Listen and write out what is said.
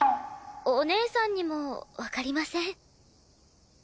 お姉さんにもわかりません。